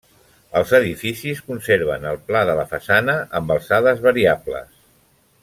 Els edificis conserven el pla de la façana amb alçades variables.